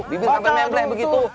bibir sampe memble begitu